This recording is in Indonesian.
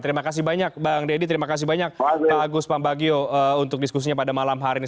terima kasih banyak bang deddy terima kasih banyak pak agus pambagio untuk diskusinya pada malam hari ini